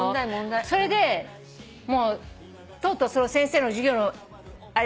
それでもうとうとうその先生の授業の。